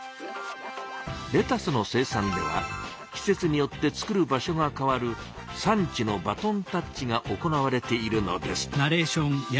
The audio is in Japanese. レタスの生産では季節によって作る場所が変わる「産地のバトンタッチ」が行われているのです。